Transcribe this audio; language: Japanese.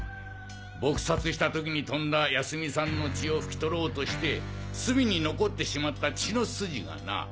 撲殺した時に飛んだ泰美さんの血を拭き取ろうとして隅に残ってしまった血の筋がな！